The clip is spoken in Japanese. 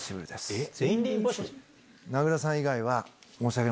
えっ？